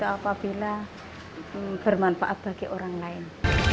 apabila bermanfaat bagi orang lain